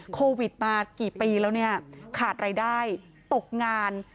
โควิด๑๙มากี่ปีแล้วขาดรายได้ตกงาน